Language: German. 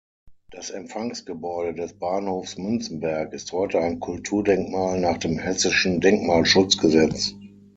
Das Empfangsgebäude des Bahnhofs Münzenberg ist heute ein Kulturdenkmal nach dem Hessischen Denkmalschutzgesetz.